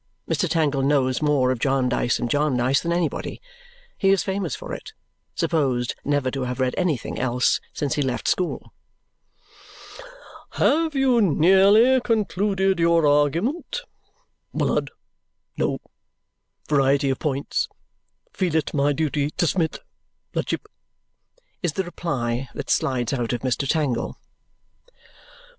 Mr. Tangle knows more of Jarndyce and Jarndyce than anybody. He is famous for it supposed never to have read anything else since he left school. "Have you nearly concluded your argument?" "Mlud, no variety of points feel it my duty tsubmit ludship," is the reply that slides out of Mr. Tangle.